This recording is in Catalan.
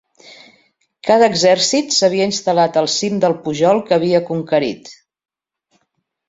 Cada exèrcit s'havia instal·lat al cim del pujol que havia conquerit.